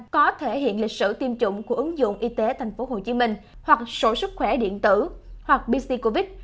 có thể hiện lịch sử tiêm chủng của ứng dụng y tế tp hcm hoặc sổ sức khỏe điện tử hoặc bc covid